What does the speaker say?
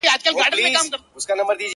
که مې څوک په اميري شمېري، امير يم.